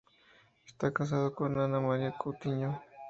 Está casado con Ana María Coutinho.